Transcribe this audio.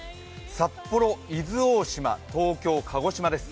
札幌、伊豆大島、東京、鹿児島です。